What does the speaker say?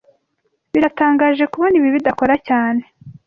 Biratangaje kubona ibi bidakora cyane